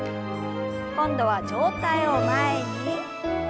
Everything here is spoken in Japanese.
今度は上体を前に。